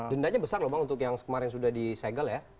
denda nya besar untuk yang kemarin sudah disegel ya